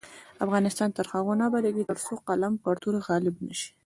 افغانستان تر هغو نه ابادیږي، ترڅو قلم پر تورې غالب نشي.